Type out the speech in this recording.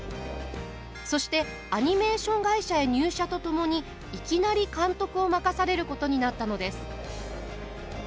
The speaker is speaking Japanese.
そしてアニメーション会社へ入社とともにいきなり監督を任されることになったのです。